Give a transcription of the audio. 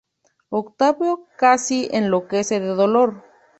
Octavio casi enloquece de dolor.